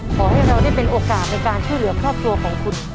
ขอให้เราได้เป็นโอกาสในการช่วยเหลือครอบครัวของคุณ